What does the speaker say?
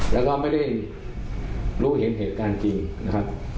แล้วก็ไม่ได้รู้เห็นเหตุการณ์จริงนะครับ